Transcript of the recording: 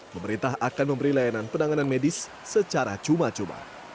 pemerintah akan memberi layanan penanganan medis secara cuma cuma